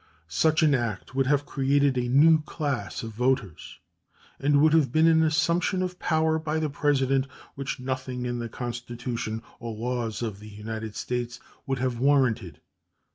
Such an act would have created a new class of voters, and would have been an assumption of power by the President which nothing in the Constitution or laws of the United States would have warranted.